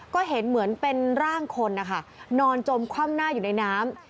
ก็เห็นเหมือนเป็นร่างคนนะคะนอนจมคว่ำหน้าอยู่ในน้ำ